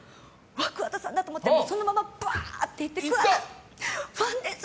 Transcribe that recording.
あ、桑田さんだって思ってそのまま、ばーって行って桑田さん、ファンです！